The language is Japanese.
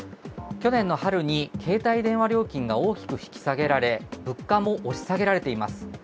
去年の春に携帯電話料金が大きく引き下げられ、物価も押し下げられています。